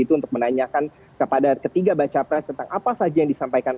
itu untuk menanyakan kepada ketiga baca pres tentang apa saja yang disampaikan